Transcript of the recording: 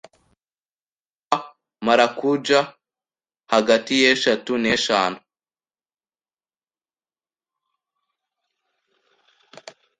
cyangwa maracuja hagati y’eshatu n’eshanu